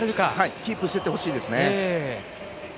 キープしてほしいですね。